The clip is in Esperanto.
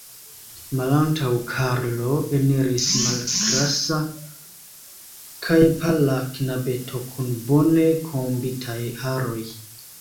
Malantaŭ Karlo eniris malgrasa kaj pala knabeto kun bone kombitaj haroj.